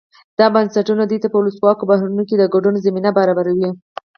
دا بنسټونه دوی ته په ولسواکو بهیرونو کې د ګډون زمینه برابروي.